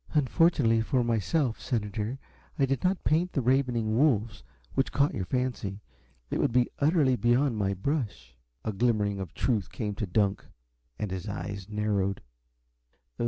"Unfortunately for myself, senator, I did not paint the 'ravening wolves' which caught your fancy. It would be utterly beyond my brush." A glimmering of the truth came to Dunk, and his eyes narrowed.